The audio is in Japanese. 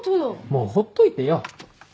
もうほっといてよ！